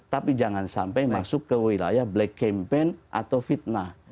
tapi jangan sampai masuk ke wilayah black campaign atau fitnah